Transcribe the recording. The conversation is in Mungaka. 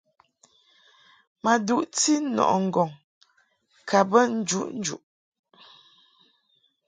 Ma duʼti nɔʼɨ ŋgɔŋ ka bə njuʼnjuʼ.